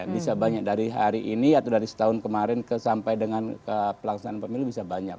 bisa banyak dari hari ini atau dari setahun kemarin sampai dengan ke pelaksanaan pemilu bisa banyak